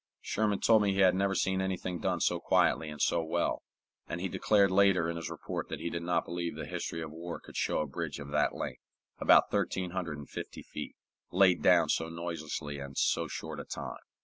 Sherman told me he had never seen anything done so quietly and so well, and he declared later in his report that he did not believe the history of war could show a bridge of that length about thirteen hundred and fifty feet laid down so noiselessly and in so short a time.